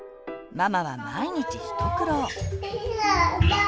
ママは毎日一苦労。